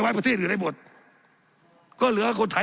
สับขาหลอกกันไปสับขาหลอกกันไป